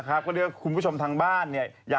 คุณผู้ชมทางบ้านเนี่ย